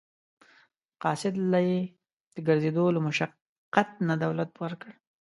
قاصد له یې د ګرځېدو له مشقت نه دولت ورکړ.